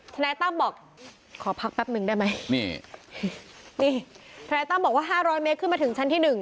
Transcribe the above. ธนาธิตั้มบอกขอพักแป๊บหนึ่งได้ไหมนี่ธนาธิตั้มบอกว่า๕๐๐เมตรขึ้นมาถึงชั้นที่๑